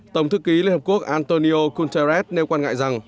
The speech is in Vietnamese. tổng thư ký liên hợp quốc antonio gunterres nêu quan ngại rằng